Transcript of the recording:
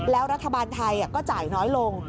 แล้วรัฐบาลไทยก็จ่ายน้อยลง